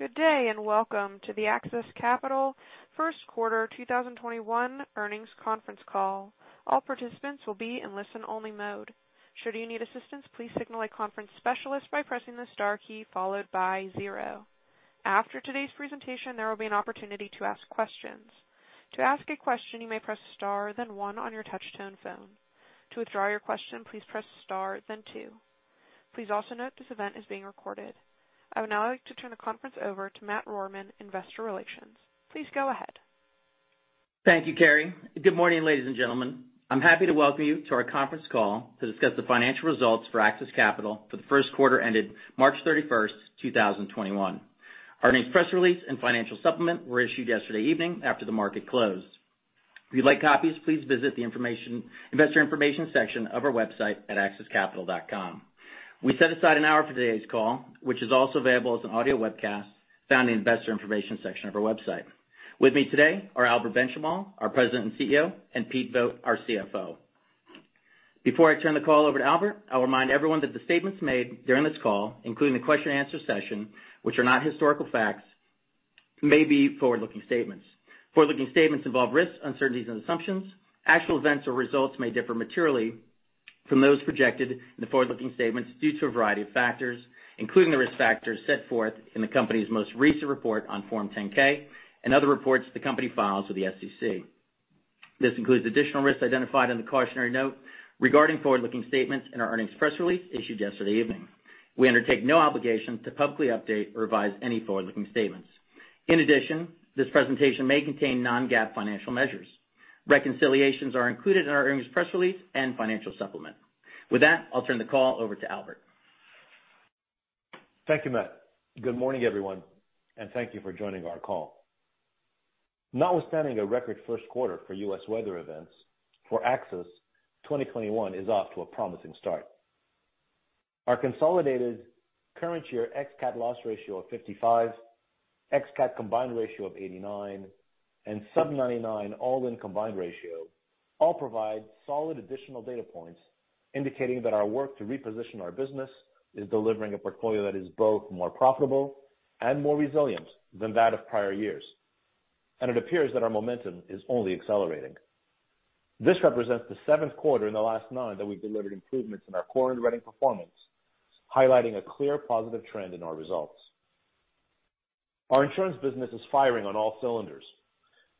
Good day, and welcome to the AXIS Capital first quarter 2021 earnings conference call. All participants will be in listen-only mode. Should you need assistance, please signal a conference specialist by pressing the star key followed by zero. After today's presentation, there will be an opportunity to ask questions. To ask a question, you may press star then one on your touch tone phone. To withdraw your question, please press star then two. Please also note this event is being recorded. I would now like to turn the conference over to Matt Rohrmann, investor relations. Please go ahead. Thank you, Carrie. Good morning, ladies and gentlemen. I'm happy to welcome you to our conference call to discuss the financial results for AXIS Capital for the first quarter ended March 31st, 2021. Our earnings press release and financial supplement were issued yesterday evening after the market closed. If you'd like copies, please visit the investor information section of our website at axiscapital.com. We set aside an hour for today's call, which is also available as an audio webcast found in the investor information section of our website. With me today are Albert Benchimol, our President and CEO, and Pete Vogt, our CFO. Before I turn the call over to Albert, I'll remind everyone that the statements made during this call, including the question-answer session, which are not historical facts, may be forward-looking statements. Forward-looking statements involve risks, uncertainties, and assumptions. Actual events or results may differ materially from those projected in the forward-looking statements due to a variety of factors, including the risk factors set forth in the company's most recent report on Form 10-K and other reports the company files with the SEC. This includes additional risks identified in the cautionary note regarding forward-looking statements in our earnings press release issued yesterday evening. We undertake no obligation to publicly update or revise any forward-looking statements. In addition, this presentation may contain non-GAAP financial measures. Reconciliations are included in our earnings press release and financial supplement. With that, I'll turn the call over to Albert. Thank you, Matt. Good morning, everyone, thank you for joining our call. Notwithstanding a record first quarter for U.S. weather events, for AXIS, 2021 is off to a promising start. Our consolidated current year x CAT loss ratio of 55, x CAT combined ratio of 89, and sub 99 all-in combined ratio all provide solid additional data points indicating that our work to reposition our business is delivering a portfolio that is both more profitable and more resilient than that of prior years. It appears that our momentum is only accelerating. This represents the seventh quarter in the last nine that we've delivered improvements in our core underwriting performance, highlighting a clear positive trend in our results. Our insurance business is firing on all cylinders,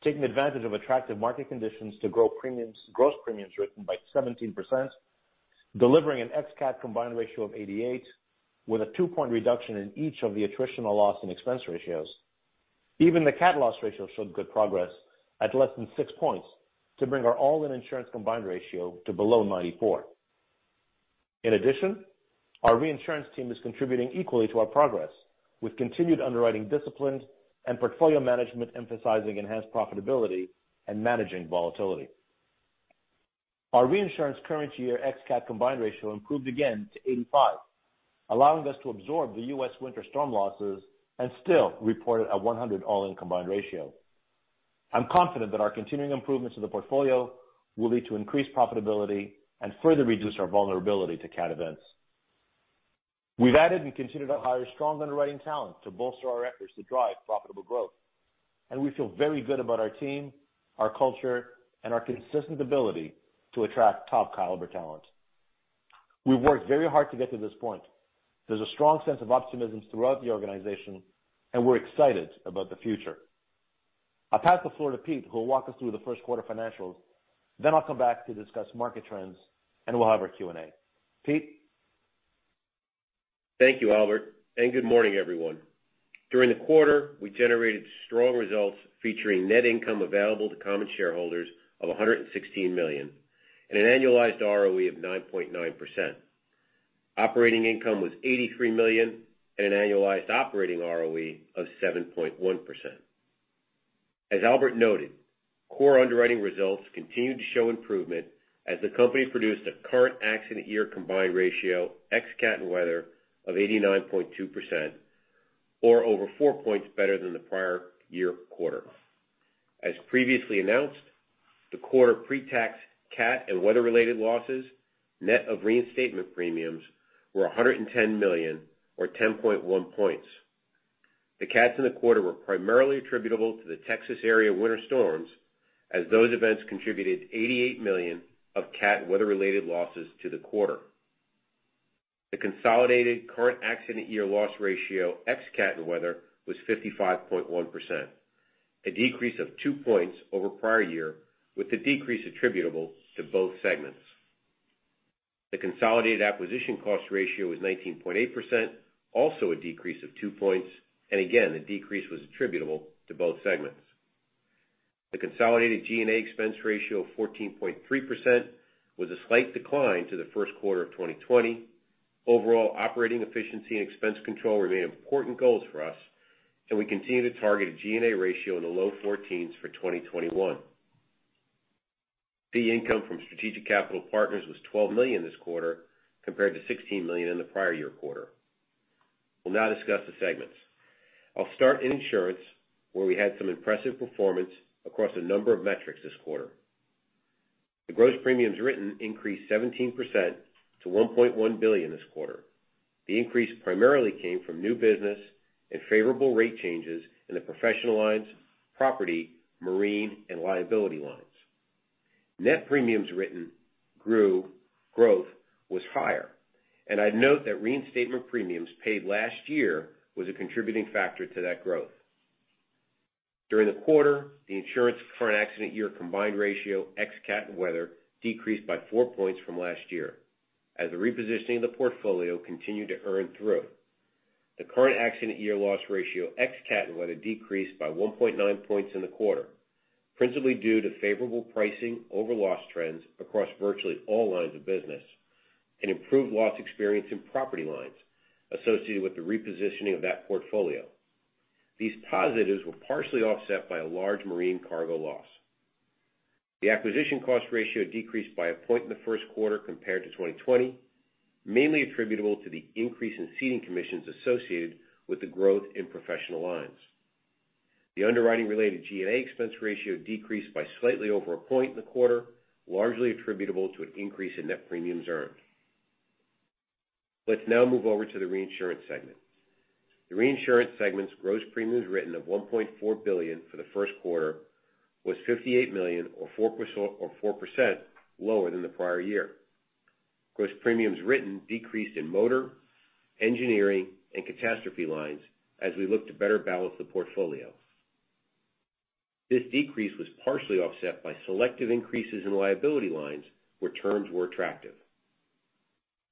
taking advantage of attractive market conditions to grow gross premiums written by 17%, delivering an x CAT combined ratio of 88 with a two-point reduction in each of the attritional loss and expense ratios. Even the CAT loss ratio showed good progress at less than six points to bring our all-in insurance combined ratio to below 94. In addition, our reinsurance team is contributing equally to our progress with continued underwriting disciplines and portfolio management emphasizing enhanced profitability and managing volatility. Our reinsurance current year x CAT combined ratio improved again to 85, allowing us to absorb the U.S. winter storm losses and still reported a 100 all-in combined ratio. I'm confident that our continuing improvements to the portfolio will lead to increased profitability and further reduce our vulnerability to CAT events. We've added and continued to hire strong underwriting talent to bolster our efforts to drive profitable growth. We feel very good about our team, our culture, and our consistent ability to attract top-caliber talent. We've worked very hard to get to this point. There's a strong sense of optimism throughout the organization. We're excited about the future. I'll pass the floor to Pete, who will walk us through the first quarter financials. I'll come back to discuss market trends, and we'll have our Q&A. Pete? Thank you, Albert, and good morning, everyone. During the quarter, we generated strong results featuring net income available to common shareholders of $116 million and an annualized ROE of 9.9%. Operating income was $83 million and an annualized operating ROE of 7.1%. As Albert noted, core underwriting results continued to show improvement as the company produced a current accident year combined ratio ex CAT and weather of 89.2% or over four points better than the prior year quarter. As previously announced, the quarter pre-tax CAT and weather-related losses, net of reinstatement premiums, were $110 million or 10.1 points. The CATs in the quarter were primarily attributable to the Texas area winter storms as those events contributed $88 million of CAT/weather-related losses to the quarter. The consolidated current accident year loss ratio ex CAT and weather was 55.1%, a decrease of two points over prior year with the decrease attributable to both segments. The consolidated acquisition cost ratio was 19.8%, also a decrease of two points. Again, the decrease was attributable to both segments. The consolidated G&A expense ratio of 14.3% was a slight decline to the first quarter of 2020. Overall operating efficiency and expense control remain important goals for us. We continue to target a G&A ratio in the low 14s for 2021. Fee income from Strategic Capital Partners was $12 million this quarter, compared to $16 million in the prior year quarter. We'll now discuss the segments. I'll start in insurance, where we had some impressive performance across a number of metrics this quarter. The gross premiums written increased 17% to $1.1 billion this quarter. The increase primarily came from new business and favorable rate changes in the professional lines, property, marine, and liability lines. Net premiums written growth was higher, and I'd note that reinstatement premiums paid last year was a contributing factor to that growth. During the quarter, the insurance current accident year combined ratio ex CAT and weather decreased by 4 points from last year as the repositioning of the portfolio continued to earn through. The current accident year loss ratio ex CAT and weather decreased by 1.9 points in the quarter, principally due to favorable pricing over loss trends across virtually all lines of business and improved loss experience in property lines associated with the repositioning of that portfolio. These positives were partially offset by a large marine cargo loss. The acquisition cost ratio decreased by a point in the first quarter compared to 2020, mainly attributable to the increase in ceding commissions associated with the growth in professional lines. The underwriting-related G&A expense ratio decreased by slightly over a point in the quarter, largely attributable to an increase in net premiums earned. Let's now move over to the reinsurance segment. The reinsurance segment's gross premiums written of $1.4 billion for the first quarter was $58 million or 4% lower than the prior year. Gross premiums written decreased in motor, engineering, and catastrophe lines as we look to better balance the portfolio. This decrease was partially offset by selective increases in liability lines where terms were attractive.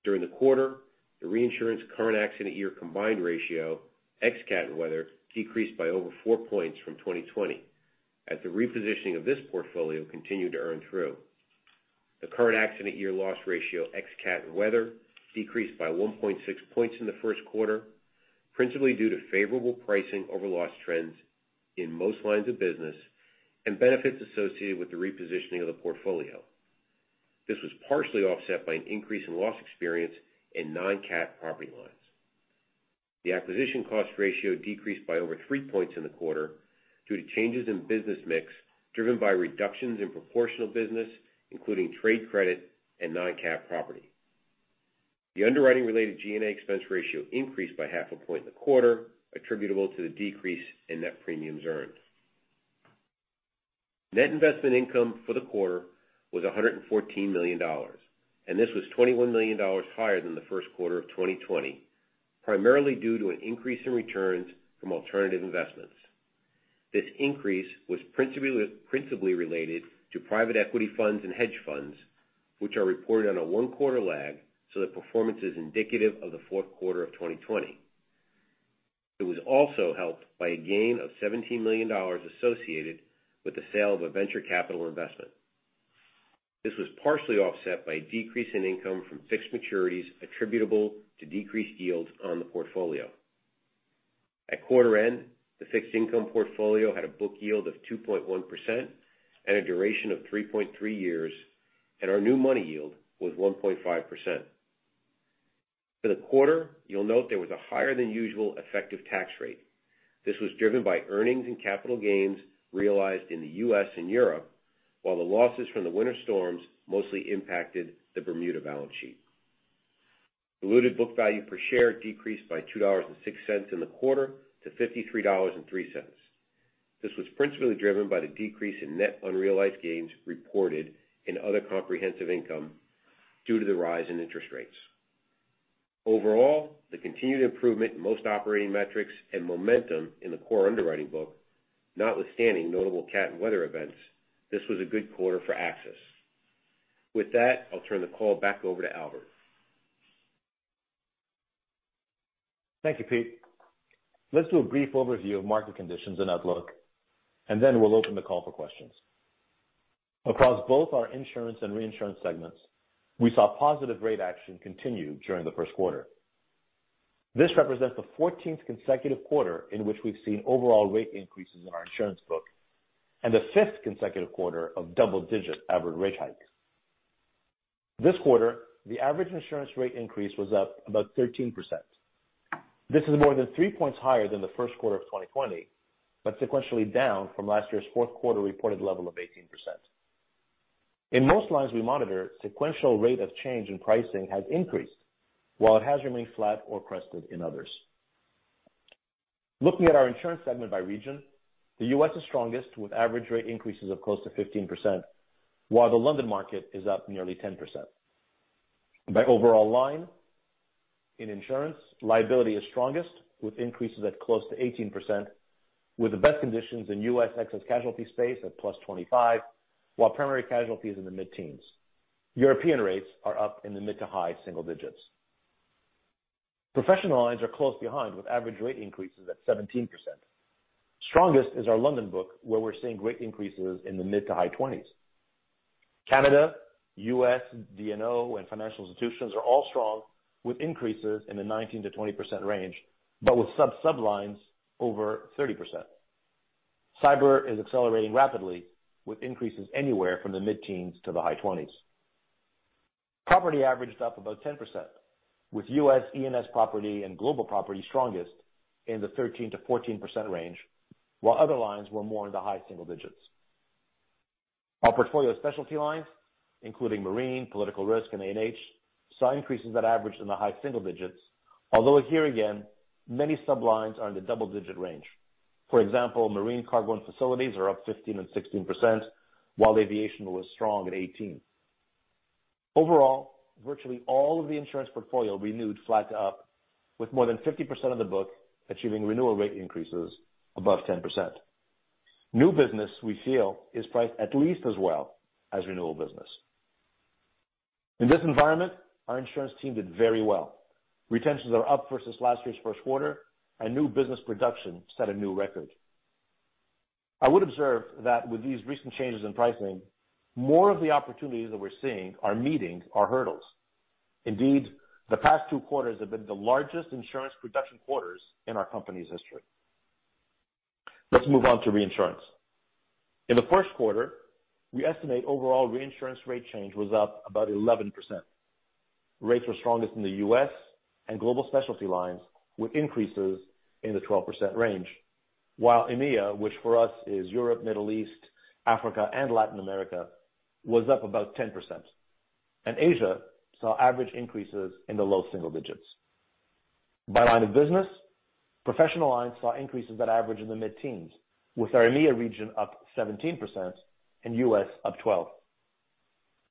During the quarter, the reinsurance current accident year combined ratio ex CAT and weather decreased by over four points from 2020, as the repositioning of this portfolio continued to earn through. The current accident year loss ratio ex CAT and weather decreased by 1.6 points in the first quarter, principally due to favorable pricing over loss trends in most lines of business and benefits associated with the repositioning of the portfolio. This was partially offset by an increase in loss experience in non-CAT property lines. The acquisition cost ratio decreased by over three points in the quarter due to changes in business mix driven by reductions in proportional business, including trade credit and non-CAT property. The underwriting-related G&A expense ratio increased by half a point in the quarter, attributable to the decrease in net premiums earned. Net investment income for the quarter was $114 million, and this was $21 million higher than the first quarter of 2020, primarily due to an increase in returns from alternative investments. This increase was principally related to private equity funds and hedge funds, which are reported on a one-quarter lag so that performance is indicative of the fourth quarter of 2020. It was also helped by a gain of $17 million associated with the sale of a venture capital investment. This was partially offset by a decrease in income from fixed maturities attributable to decreased yields on the portfolio. At quarter end, the fixed income portfolio had a book yield of 2.1% and a duration of 3.3 years, and our new money yield was 1.5%. For the quarter, you'll note there was a higher than usual effective tax rate. This was driven by earnings and capital gains realized in the U.S. and Europe, while the losses from the winter storms mostly impacted the Bermuda balance sheet. Diluted book value per share decreased by $2.06 in the quarter to $53.03. This was principally driven by the decrease in net unrealized gains reported in other comprehensive income due to the rise in interest rates. Overall, the continued improvement in most operating metrics and momentum in the core underwriting book, notwithstanding notable CAT and weather events, this was a good quarter for AXIS. With that, I'll turn the call back over to Albert. Thank you, Pete. Let's do a brief overview of market conditions and outlook, and then we'll open the call for questions. Across both our insurance and reinsurance segments, we saw positive rate action continue during the first quarter. This represents the 14th consecutive quarter in which we've seen overall rate increases in our insurance book and the fifth consecutive quarter of double-digit average rate hikes. This quarter, the average insurance rate increase was up about 13%. This is more than three points higher than the first quarter of 2020, but sequentially down from last year's fourth quarter reported level of 18%. In most lines we monitor, sequential rate of change in pricing has increased while it has remained flat or crested in others. Looking at our insurance segment by region, the U.S. is strongest with average rate increases of close to 15%, while the London market is up nearly 10%. By overall line, in insurance, liability is strongest with increases at close to 18% with the best conditions in U.S. excess casualty space at plus 25, while primary casualty is in the mid-teens. European rates are up in the mid to high single digits. Professional lines are close behind with average rate increases at 17%. Strongest is our London book where we're seeing rate increases in the mid to high 20s. Canada, U.S., D&O, and financial institutions are all strong with increases in the 19%-20% range, but with sub-sub lines over 30%. Cyber is accelerating rapidly with increases anywhere from the mid-teens to the high 20s. Property averaged up about 10%, with U.S. E&S property and global property strongest in the 13%-14% range, while other lines were more in the high single digits. Our portfolio specialty lines, including marine, political risk, and A&H, saw increases that averaged in the high single digits, although here again, many sub-lines are in the double-digit range. For example, marine cargo and facilities are up 15% and 16%, while aviation was strong at 18%. Overall, virtually all of the insurance portfolio renewed flat to up, with more than 50% of the book achieving renewal rate increases above 10%. New business, we feel, is priced at least as well as renewal business. In this environment, our insurance team did very well. Retentions are up versus last year's first quarter, and new business production set a new record. I would observe that with these recent changes in pricing, more of the opportunities that we're seeing are meeting our hurdles. Indeed, the past two quarters have been the largest insurance production quarters in our company's history. Let's move on to reinsurance. In the first quarter, we estimate overall reinsurance rate change was up about 11%. Rates were strongest in the U.S. and global specialty lines, with increases in the 12% range. While EMEA, which for us is Europe, Middle East, Africa, and Latin America, was up about 10%. Asia saw average increases in the low single digits. By line of business, professional lines saw increases that average in the mid-teens, with our EMEA region up 17% and U.S. up 12%.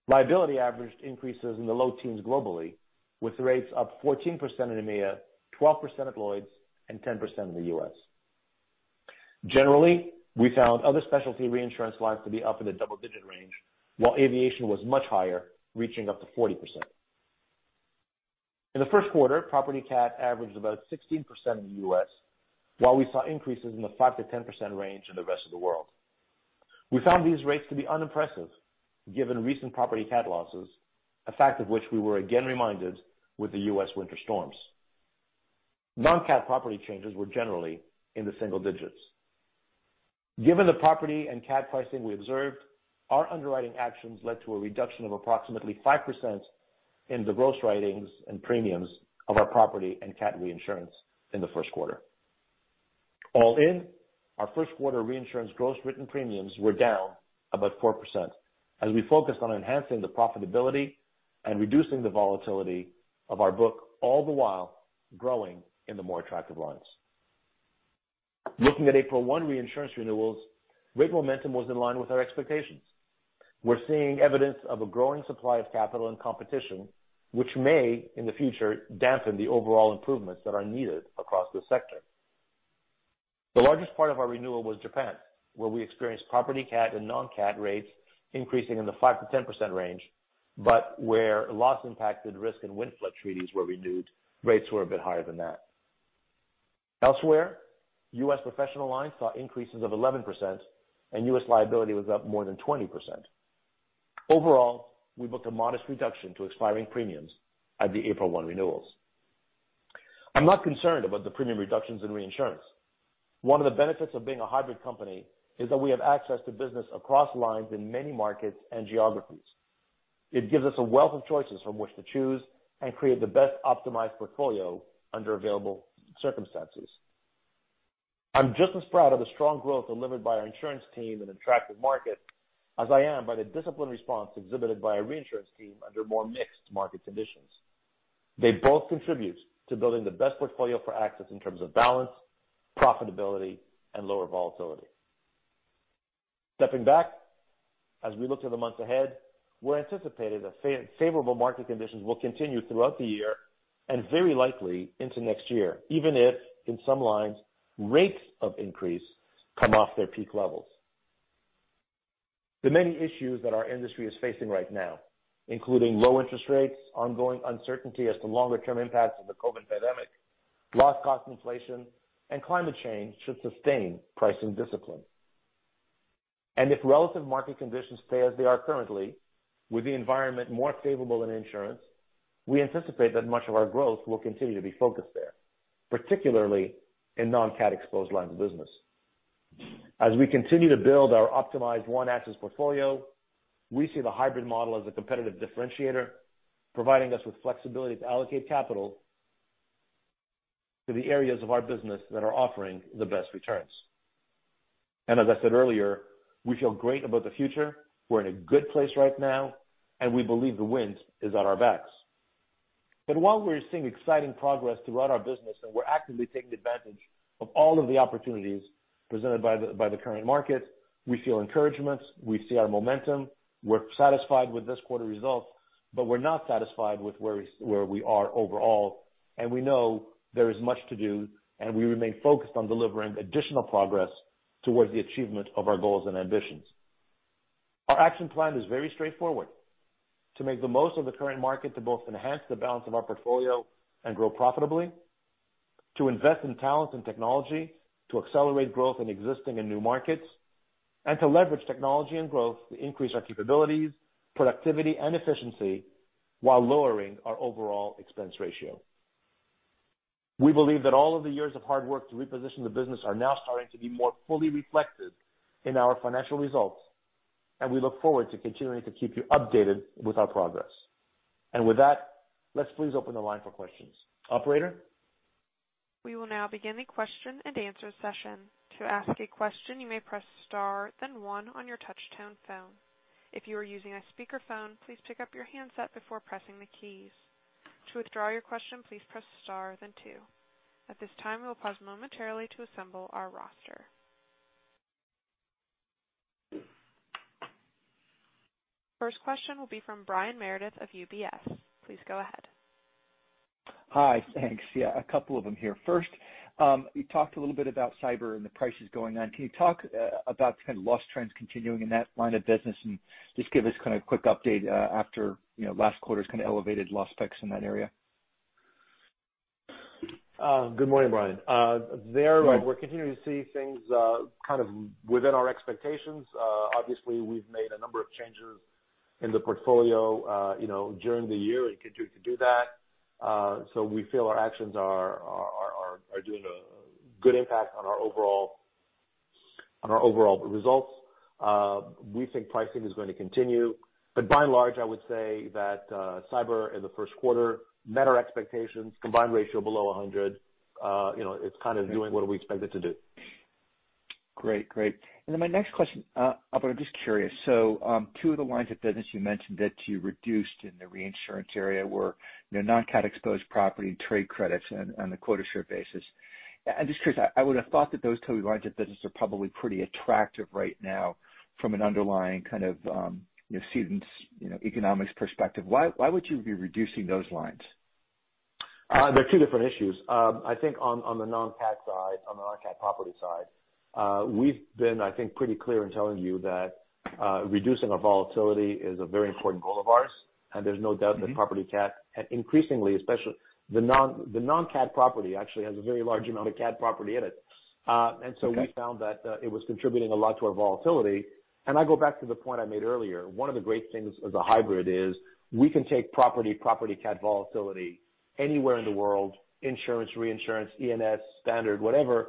Liability averaged increases in the low teens globally, with rates up 14% in EMEA, 12% at Lloyd's, and 10% in the U.S. Generally, we found other specialty reinsurance lines to be up in the double-digit range, while aviation was much higher, reaching up to 40%. In the first quarter, property CAT averaged about 16% in the U.S., while we saw increases in the 5%-10% range in the rest of the world. We found these rates to be unimpressive given recent property CAT losses, a fact of which we were again reminded with the U.S. winter storms. Non-CAT property changes were generally in the single digits. Given the property and CAT pricing we observed, our underwriting actions led to a reduction of approximately 5% in the gross writings and premiums of our property and CAT reinsurance in the first quarter. All in, our first-quarter reinsurance gross written premiums were down about 4% as we focused on enhancing the profitability and reducing the volatility of our book, all the while growing in the more attractive lines. Looking at April 1 reinsurance renewals, rate momentum was in line with our expectations. We're seeing evidence of a growing supply of capital and competition, which may, in the future, dampen the overall improvements that are needed across this sector. The largest part of our renewal was Japan, where we experienced property CAT and non-CAT rates increasing in the 5%-10% range, but where loss-impacted risk and wind flood treaties were renewed, rates were a bit higher than that. Elsewhere, U.S. professional lines saw increases of 11%, and U.S. liability was up more than 20%. Overall, we booked a modest reduction to expiring premiums at the April 1 renewals. I'm not concerned about the premium reductions in reinsurance. One of the benefits of being a hybrid company is that we have access to business across lines in many markets and geographies. It gives us a wealth of choices from which to choose and create the best optimized portfolio under available circumstances. I'm just as proud of the strong growth delivered by our insurance team in attractive markets as I am by the disciplined response exhibited by our reinsurance team under more mixed market conditions. They both contribute to building the best portfolio for AXIS in terms of balance, profitability, and lower volatility. Stepping back, as we look to the months ahead, we're anticipating that favorable market conditions will continue throughout the year and very likely into next year, even if in some lines, rates of increase come off their peak levels. The many issues that our industry is facing right now, including low interest rates, ongoing uncertainty as to longer-term impacts of the COVID pandemic, loss cost inflation, and climate change should sustain pricing discipline. If relative market conditions stay as they are currently, with the environment more favorable in insurance, we anticipate that much of our growth will continue to be focused there, particularly in non-CAT exposed lines of business. As we continue to build our optimized One AXIS portfolio, we see the hybrid model as a competitive differentiator, providing us with flexibility to allocate capital to the areas of our business that are offering the best returns. As I said earlier, we feel great about the future. We're in a good place right now, and we believe the wind is at our backs. While we're seeing exciting progress throughout our business and we're actively taking advantage of all of the opportunities presented by the current market, we feel encouragement, we see our momentum, we're satisfied with this quarter results, but we're not satisfied with where we are overall, and we know there is much to do, and we remain focused on delivering additional progress towards the achievement of our goals and ambitions. Our action plan is very straightforward, to make the most of the current market to both enhance the balance of our portfolio and grow profitably, to invest in talent and technology, to accelerate growth in existing and new markets, and to leverage technology and growth to increase our capabilities, productivity, and efficiency while lowering our overall expense ratio. We believe that all of the years of hard work to reposition the business are now starting to be more fully reflected in our financial results, and we look forward to continuing to keep you updated with our progress. With that, let's please open the line for questions. Operator? We will now begin the question and answer session. To ask a question, you may press star then one on your touchtone phone. If you are using a speakerphone, please pick up your handset before pressing the keys. To withdraw your question, please press star then two. At this time, we'll pause momentarily to assemble our roster. First question will be from Brian Meredith of UBS. Please go ahead. Hi. Thanks. Yeah, a couple of them here. First, you talked a little bit about cyber and the prices going on. Can you talk about kind of loss trends continuing in that line of business and just give us kind of a quick update after last quarter's kind of elevated loss picks in that area? Good morning, Brian. There, we're continuing to see things kind of within our expectations. Obviously, we've made a number of changes in the portfolio during the year to do that. We feel our actions are doing a good impact on our overall results. We think pricing is going to continue, By and large, I would say that cyber in the first quarter met our expectations, combined ratio below 100. It's kind of doing what we expect it to do. Great. My next question, I'm just curious, two of the lines of business you mentioned that you reduced in the reinsurance area were non-CAT exposed property and trade credits on a quota share basis. I'm just curious, I would've thought that those two lines of business are probably pretty attractive right now from an underlying kind of cedents economics perspective. Why would you be reducing those lines? There are two different issues. I think on the non-CAT side, on the non-CAT property side, we've been, I think, pretty clear in telling you that reducing our volatility is a very important goal of ours, and there's no doubt that property CAT and increasingly especially the non-CAT property actually has a very large amount of CAT property in it. Okay. We found that it was contributing a lot to our volatility. I go back to the point I made earlier, one of the great things of the hybrid is we can take property CAT volatility anywhere in the world, insurance, reinsurance, E&S, standard, whatever.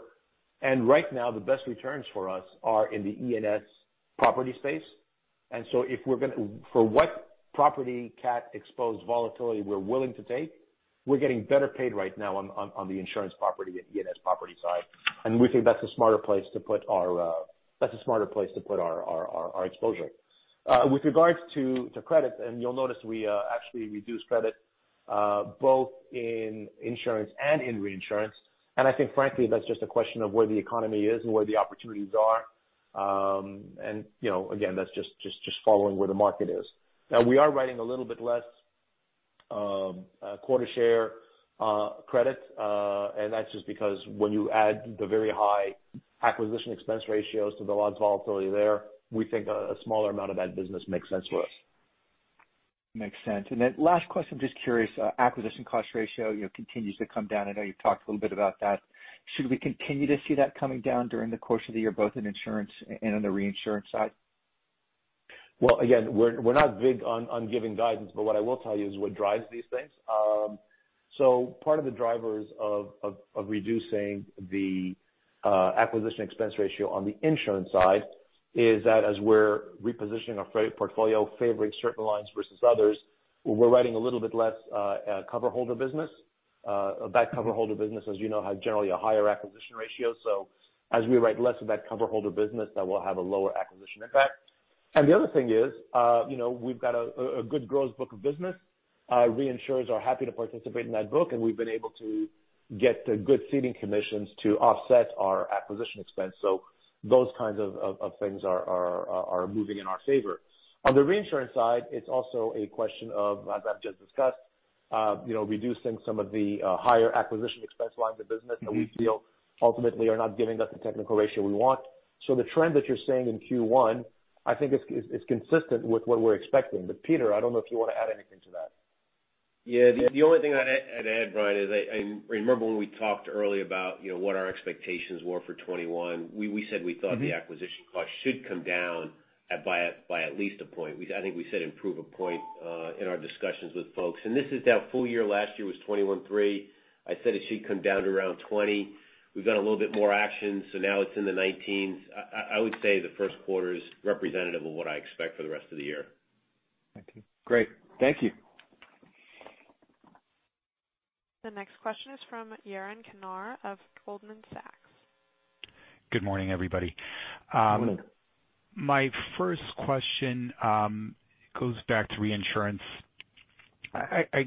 Right now, the best returns for us are in the E&S property space. So for what property CAT exposed volatility we're willing to take, we're getting better paid right now on the insurance property at E&S property side, we think that's a smarter place to put our exposure. With regards to credit, you'll notice we actually reduced credit, both in insurance and in reinsurance. I think frankly, that's just a question of where the economy is and where the opportunities are. Again, that's just following where the market is. Now, we are writing a little bit less quota share credit, that's just because when you add the very high acquisition expense ratios to the loss volatility there, we think a smaller amount of that business makes sense for us. Makes sense. Last question, just curious, acquisition cost ratio continues to come down. I know you've talked a little bit about that. Should we continue to see that coming down during the course of the year, both in insurance and on the reinsurance side? Well, again, we're not big on giving guidance, what I will tell you is what drives these things. Part of the drivers of reducing the acquisition expense ratio on the insurance side is that as we're repositioning our portfolio, favoring certain lines versus others, we're writing a little bit less cover holder business. That cover holder business, as you know, has generally a higher acquisition ratio. As we write less of that cover holder business, that will have a lower acquisition impact. The other thing is we've got a good gross book of business. Reinsurers are happy to participate in that book, we've been able to get good ceding commissions to offset our acquisition expense. Those kinds of things are moving in our favor. On the reinsurance side, it's also a question of, as I've just discussed, reducing some of the higher acquisition expense lines of business that we feel ultimately are not giving us the technical ratio we want. The trend that you're seeing in Q1, I think it's consistent with what we're expecting. Pete, I don't know if you want to add anything to that. Yeah. The only thing I'd add, Brian, is I remember when we talked early about what our expectations were for 2021. We said we thought the acquisition cost should come down by at least a point. I think we said improve a point in our discussions with folks. This is down full year last year was 21.3. I said it should come down to around 20. We've got a little bit more action, now it's in the 19s. I would say the first quarter is representative of what I expect for the rest of the year. Thank you. Great. Thank you. The next question is from Yaron Kinar of Goldman Sachs. Good morning, everybody. Good morning. My first question goes back to reinsurance. I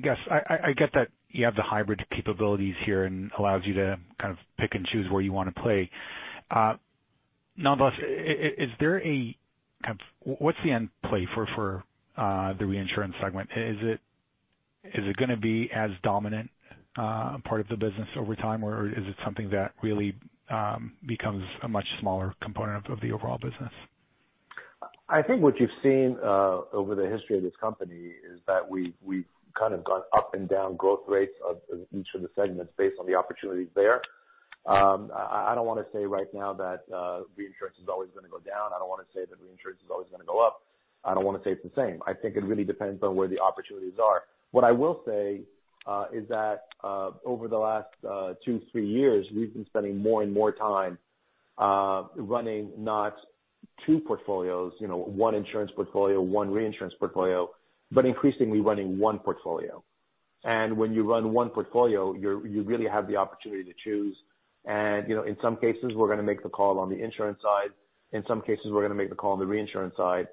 get that you have the hybrid capabilities here and allows you to kind of pick and choose where you want to play. Nonetheless, what's the end play for the reinsurance segment? Is it going to be as dominant a part of the business over time, or is it something that really becomes a much smaller component of the overall business? I think what you've seen over the history of this company is that we've kind of gone up and down growth rates of each of the segments based on the opportunities there. I don't want to say right now that reinsurance is always going to go down. I don't want to say that reinsurance is always going to go up. I don't want to say it's the same. I think it really depends on where the opportunities are. What I will say is that over the last two, three years, we've been spending more and more time running not two portfolios, one insurance portfolio, one reinsurance portfolio, but increasingly running one portfolio. When you run one portfolio, you really have the opportunity to choose. In some cases, we're going to make the call on the insurance side. In some cases, we're going to make the call on the reinsurance side.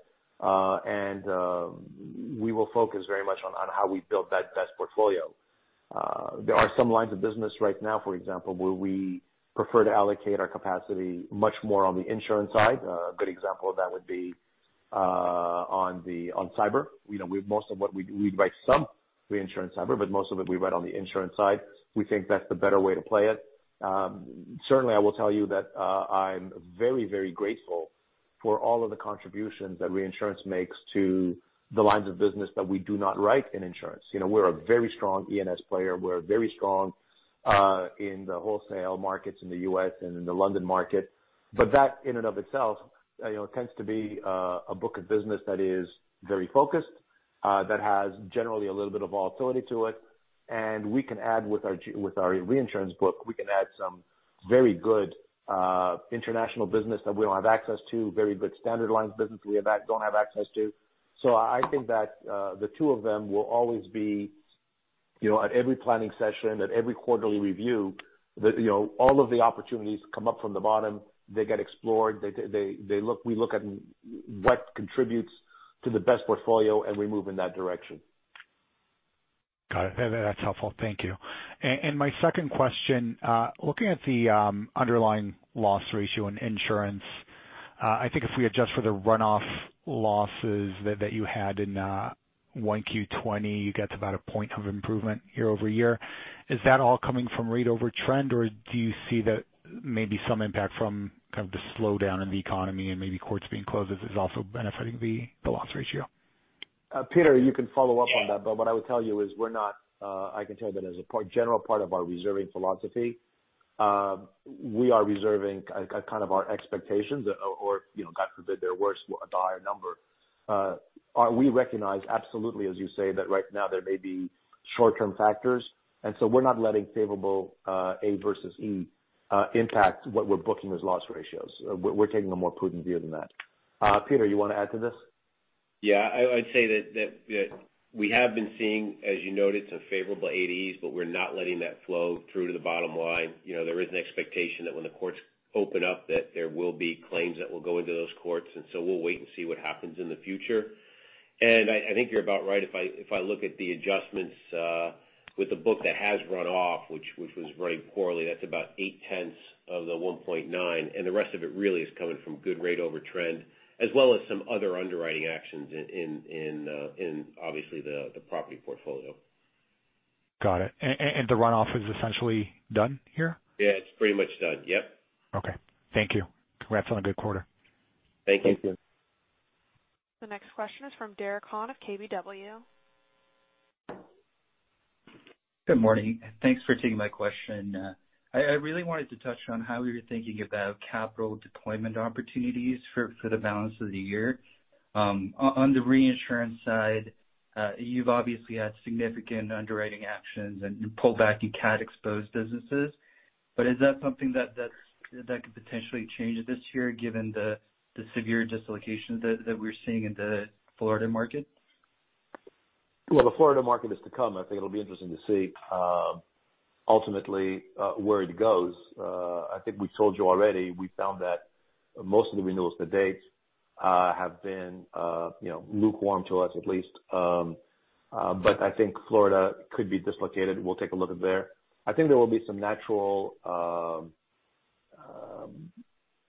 We will focus very much on how we build that best portfolio. There are some lines of business right now, for example, where we prefer to allocate our capacity much more on the insurance side. A good example of that would be on cyber. We write some reinsurance cyber, but most of it we write on the insurance side. We think that's the better way to play it. Certainly, I will tell you that I'm very, very grateful for all of the contributions that reinsurance makes to the lines of business that we do not write in insurance. We're a very strong E&S player. We're very strong in the wholesale markets in the U.S. and in the London market. That in and of itself tends to be a book of business that is very focused, that has generally a little bit of volatility to it, and with our reinsurance book, we can add some very good international business that we don't have access to, very good standard lines business we don't have access to. I think that the two of them will always be at every planning session, at every quarterly review, that all of the opportunities come up from the bottom, they get explored, we look at what contributes to the best portfolio, and we move in that direction. Got it. That's helpful. Thank you. My second question, looking at the underlying loss ratio in insurance, I think if we adjust for the runoff losses that you had in 1Q 2020, you get to about a point of improvement year-over-year. Is that all coming from rate over trend, or do you see that maybe some impact from kind of the slowdown in the economy and maybe courts being closed is also benefiting the loss ratio? Pete, you can follow up on that. What I would tell you is I can tell you that as a general part of our reserving philosophy, we are reserving kind of our expectations or, God forbid they're worse, a dire number. We recognize absolutely, as you say, that right now there may be short-term factors. We're not letting favorable A versus E impact what we're booking as loss ratios. We're taking a more prudent view than that. Pete, you want to add to this? Yeah, I'd say that we have been seeing, as you noted, some favorable A versus E, but we're not letting that flow through to the bottom line. There is an expectation that when the courts open up, that there will be claims that will go into those courts, and so we'll wait and see what happens in the future. I think you're about right. If I look at the adjustments with the book that has run off, which was very poorly, that's about eight tenths of the 1.9, and the rest of it really is coming from good rate over trend, as well as some other underwriting actions in obviously the property portfolio. Got it. The runoff is essentially done here? Yeah, it's pretty much done. Yep. Okay. Thank you. Congrats on a good quarter. Thank you. Thank you. The next question is from Derek Han of KBW. Good morning. Thanks for taking my question. I really wanted to touch on how you're thinking about capital deployment opportunities for the balance of the year. On the reinsurance side, you've obviously had significant underwriting actions and pullback in CAT-exposed businesses. Is that something that could potentially change this year given the severe dislocations that we're seeing in the Florida market? Well, the Florida market is to come. I think it'll be interesting to see ultimately where it goes. I think we told you already, we found that most of the renewals to date have been lukewarm to us at least. I think Florida could be dislocated. We'll take a look at there. I think there will be some natural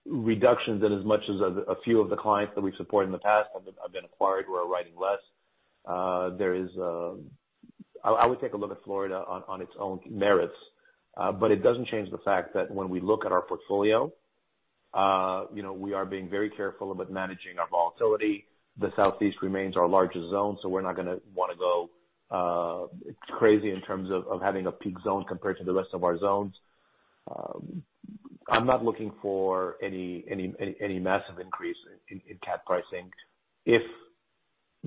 reductions in as much as a few of the clients that we've supported in the past have been acquired. We're writing less. I would take a look at Florida on its own merits, it doesn't change the fact that when we look at our portfolio, we are being very careful about managing our volatility. The Southeast remains our largest zone, we're not going to want to go crazy in terms of having a peak zone compared to the rest of our zones. I'm not looking for any massive increase in CAT pricing if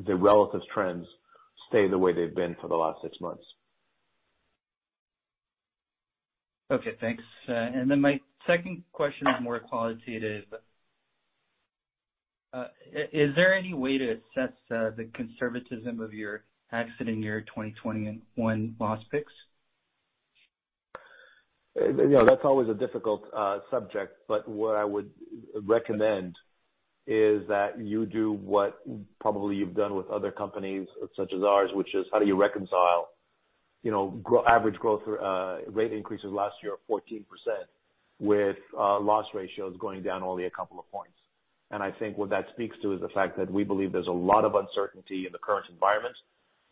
the relative trends stay the way they've been for the last six months. Okay, thanks. My second question is more qualitative. Is there any way to assess the conservatism of your accident year 2021 loss picks? That's always a difficult subject, what I would recommend is that you do what probably you've done with other companies such as ours, which is how do you reconcile average growth rate increases last year of 14% with loss ratios going down only a couple of points. I think what that speaks to is the fact that we believe there's a lot of uncertainty in the current environment,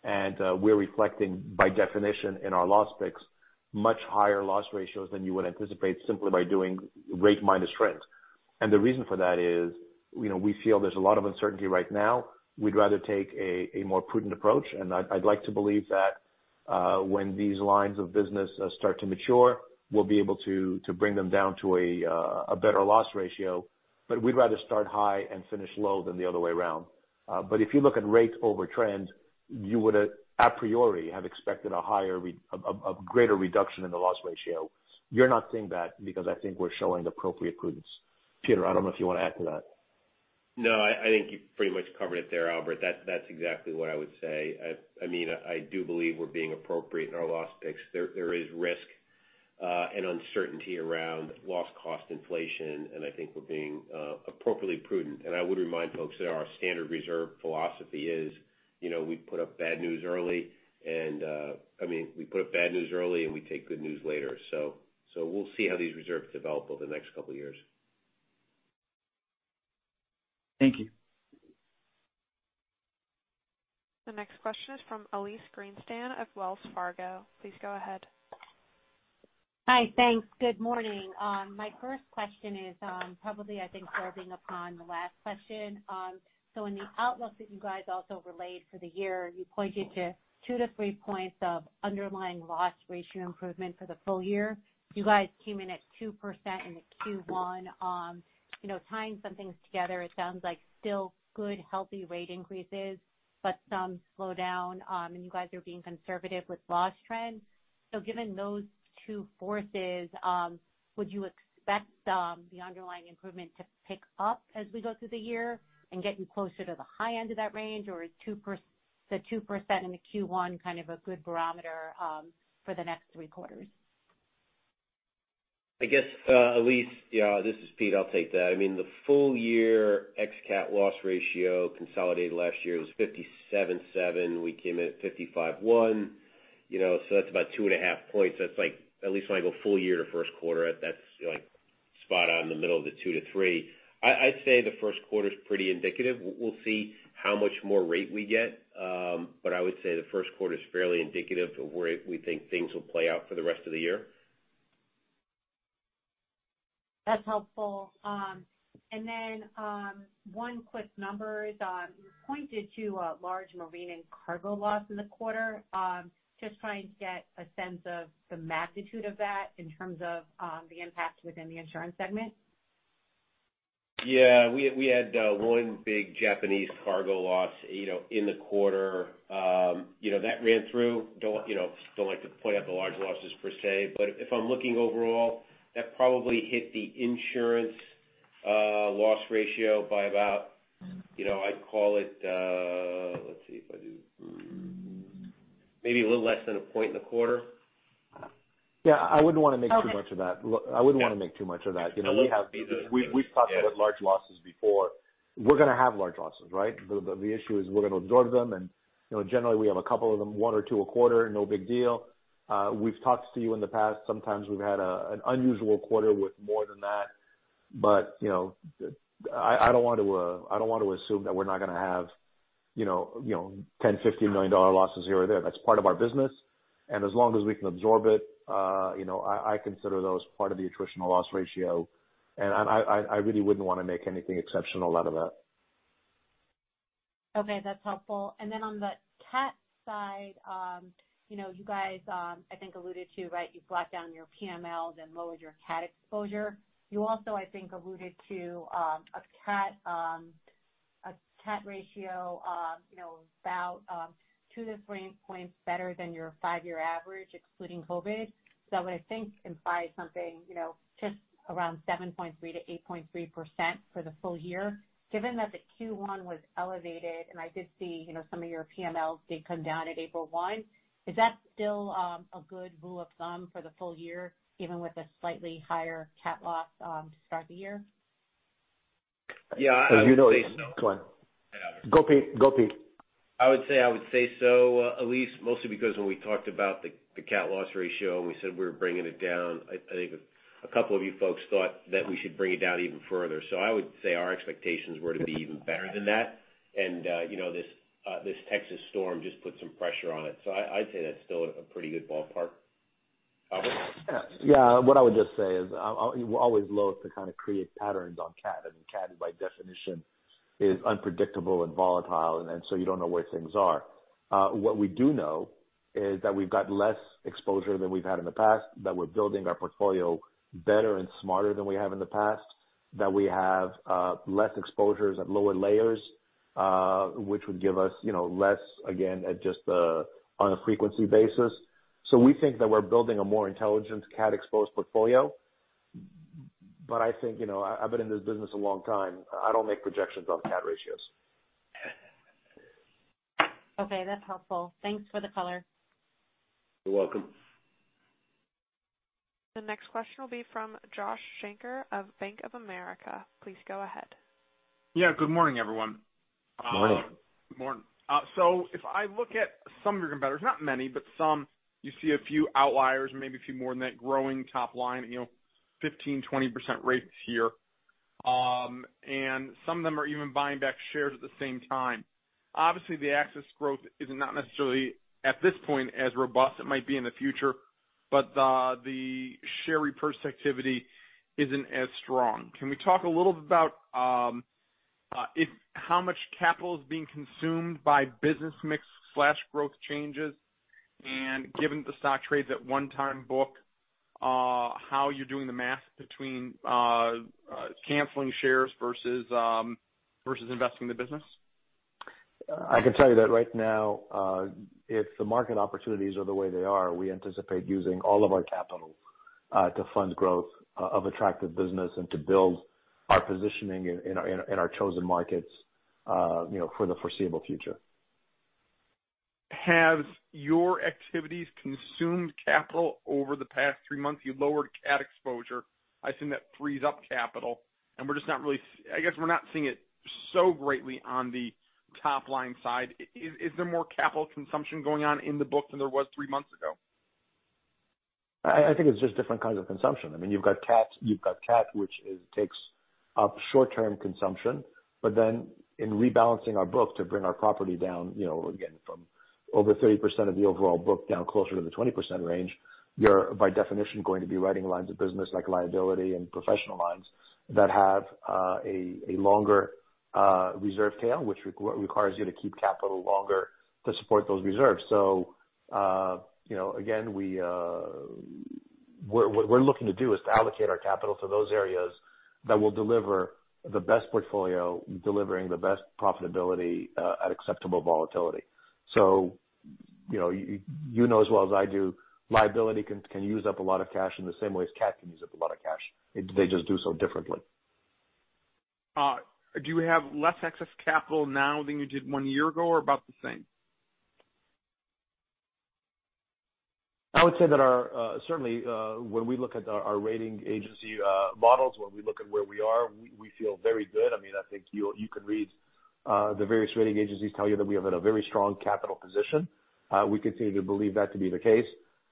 and we're reflecting, by definition, in our loss picks, much higher loss ratios than you would anticipate simply by doing rate minus trends. The reason for that is, we feel there's a lot of uncertainty right now. We'd rather take a more prudent approach, and I'd like to believe that when these lines of business start to mature, we'll be able to bring them down to a better loss ratio. We'd rather start high and finish low than the other way around. If you look at rates over trend, you would a priori have expected a greater reduction in the loss ratio. You're not seeing that because I think we're showing appropriate prudence. Pete, I don't know if you want to add to that. No, I think you pretty much covered it there, Albert. That's exactly what I would say. I do believe we're being appropriate in our loss picks. There is risk and uncertainty around loss cost inflation, and I think we're being appropriately prudent. I would remind folks that our standard reserve philosophy is, we put up bad news early and we take good news later. We'll see how these reserves develop over the next couple of years. Thank you. The next question is from Elyse Greenspan of Wells Fargo. Please go ahead. Hi, thanks. Good morning. My first question is probably, I think, harping upon the last question. In the outlook that you guys also relayed for the year, you pointed to 2 to 3 points of underlying loss ratio improvement for the full year. You guys came in at 2% in the Q1. Tying some things together, it sounds like still good, healthy rate increases, but some slowdown, and you guys are being conservative with loss trend. Given those two forces, would you expect the underlying improvement to pick up as we go through the year in getting closer to the high end of that range? Or is the 2% in the Q1 kind of a good barometer for the next 3 quarters? I guess, Elyse, this is Pete, I'll take that. I mean, the full year ex CAT loss ratio consolidated last year was 57.7. We came in at 55.1, that's about 2.5 points. That's at least when I go full year to first quarter, that's spot on the middle of the 2 to 3. I'd say the first quarter's pretty indicative. We'll see how much more rate we get, but I would say the first quarter is fairly indicative to where we think things will play out for the rest of the year. That's helpful. One quick number is, you pointed to a large marine and cargo loss in the quarter. Just trying to get a sense of the magnitude of that in terms of the impact within the insurance segment. Yeah. We had 1 big Japanese cargo loss in the quarter. That ran through. Don't like to point out the large losses per se, but if I'm looking overall, that probably hit the insurance loss ratio by about, I'd call it, let's see if I do, maybe a little less than 1 point in the quarter. Yeah, I wouldn't want to make too much of that. Okay. I wouldn't want to make too much of that. We've talked about large losses before. We're going to have large losses, right? The issue is we're going to absorb them and generally, we have a couple of them, one or two a quarter, no big deal. We've talked to you in the past. Sometimes we've had an unusual quarter with more than that. I don't want to assume that we're not going to have $10 million, $15 million losses here or there. That's part of our business, and as long as we can absorb it, I consider those part of the attritional loss ratio. I really wouldn't want to make anything exceptional out of that. Okay, that's helpful. Then on the CAT side, you guys, I think, alluded to, right, you brought down your PMLs and lowered your CAT exposure. You also, I think, alluded to a CAT ratio about two to three points better than your five-year average, excluding COVID. I think implies something just around 7.3%-8.3% for the full year. Given that the Q1 was elevated, and I did see some of your PMLs did come down at April 1, is that still a good rule of thumb for the full year, even with a slightly higher CAT loss to start the year? Yeah. I would say so. Go on. Hi, Albert. Go, Pete. I would say so, Elyse, mostly because when we talked about the CAT loss ratio, and we said we were bringing it down, I think a couple of you folks thought that we should bring it down even further. I would say our expectations were to be even better than that. This Texas storm just put some pressure on it. I'd say that's still a pretty good ballpark. Albert? Yeah. What I would just say is, we're always loathe to kind of create patterns on CAT is by definition unpredictable and volatile, you don't know where things are. What we do know is that we've got less exposure than we've had in the past, that we're building our portfolio better and smarter than we have in the past, that we have less exposures at lower layers, which would give us less again on a frequency basis. We think that we're building a more intelligent CAT-exposed portfolio. I think, I've been in this business a long time, I don't make projections on CAT ratios. Okay, that's helpful. Thanks for the color. You're welcome. The next question will be from Josh Shanker of Bank of America. Please go ahead. Yeah, good morning, everyone. Morning. Good morning. If I look at some of your competitors, not many, but some, you see a few outliers or maybe a few more than that growing top line, 15%, 20% rates here. Some of them are even buying back shares at the same time. Obviously, the AXIS growth is not necessarily, at this point, as robust. It might be in the future, but the share repurchase activity isn't as strong. Can we talk a little bit about how much capital is being consumed by business mix/growth changes, and given the stock trades at onetime book, how you're doing the math between canceling shares versus investing in the business? I can tell you that right now, if the market opportunities are the way they are, we anticipate using all of our capital to fund growth of attractive business and to build our positioning in our chosen markets for the foreseeable future. Have your activities consumed capital over the past three months? You lowered CAT exposure. I assume that frees up capital, I guess we're not seeing it so greatly on the top-line side. Is there more capital consumption going on in the book than there was three months ago? I think it's just different kinds of consumption. You've got CAT, which takes up short-term consumption. In rebalancing our book to bring our property down again from over 30% of the overall book down closer to the 20% range, you're by definition going to be writing lines of business like liability and professional lines that have a longer reserve tail, which requires you to keep capital longer to support those reserves. Again, what we're looking to do is to allocate our capital to those areas that will deliver the best portfolio, delivering the best profitability at acceptable volatility. You know as well as I do, liability can use up a lot of cash in the same way as CAT can use up a lot of cash. They just do so differently. Do you have less excess capital now than you did one year ago, or about the same? I would say that certainly, when we look at our rating agency models, when we look at where we are, we feel very good. I think you can read the various rating agencies tell you that we have a very strong capital position. We continue to believe that to be the case.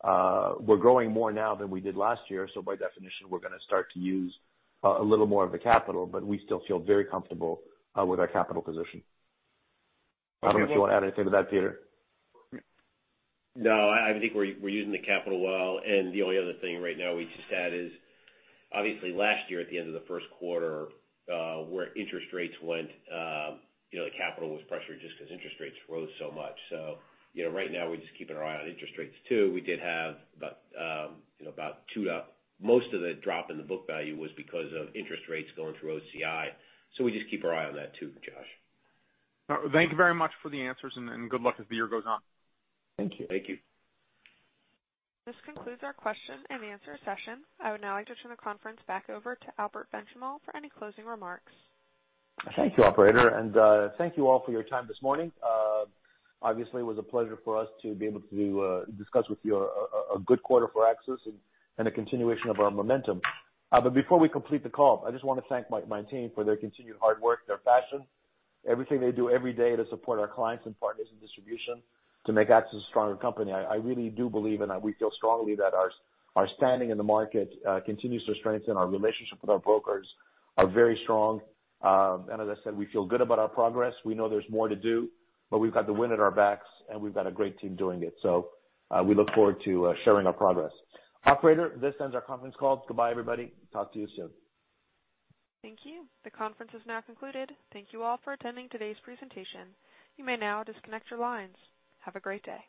We're growing more now than we did last year, by definition, we're going to start to use a little more of the capital, we still feel very comfortable with our capital position. I don't know if you want to add anything to that, Pete. No, I think we're using the capital well, the only other thing right now we just had is obviously last year at the end of the first quarter, where interest rates went, the capital was pressured just because interest rates rose so much. Right now we're just keeping our eye on interest rates, too. Most of the drop in the book value was because of interest rates going through OCI. We just keep our eye on that, too, Josh. Thank you very much for the answers, good luck as the year goes on. Thank you. Thank you. This concludes our question and answer session. I would now like to turn the conference back over to Albert Benchimol for any closing remarks. Thank you, operator, and thank you all for your time this morning. Obviously, it was a pleasure for us to be able to discuss with you a good quarter for AXIS and a continuation of our momentum. Before we complete the call, I just want to thank my team for their continued hard work, their passion, everything they do every day to support our clients and partners in distribution to make AXIS a stronger company. I really do believe, and we feel strongly that our standing in the market continues to strengthen. Our relationship with our brokers are very strong. As I said, we feel good about our progress. We know there's more to do, but we've got the wind at our backs, and we've got a great team doing it. We look forward to sharing our progress. Operator, this ends our conference call. Goodbye, everybody. Talk to you soon. Thank you. The conference is now concluded. Thank you all for attending today's presentation. You may now disconnect your lines. Have a great day.